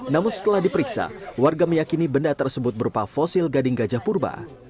namun setelah diperiksa warga meyakini benda tersebut berupa fosil gading gajah purba